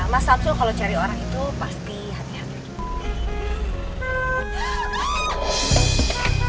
mas satsul kalau cari orang itu pasti hati hati